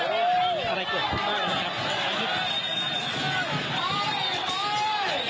มีอะไรกลัวขึ้นมานะครับ